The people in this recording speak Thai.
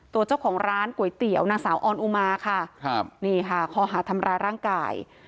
ตัวเจ้าของร้านก๋วยเตี๋ยวนางสาวออนอุมาข้อหาทำราร่างกาย